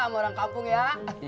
sama orang kampung ya